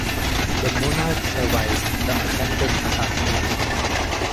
The monarch survived the attempted assassination.